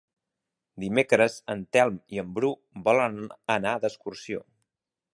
Dimecres en Telm i en Bru volen anar d'excursió.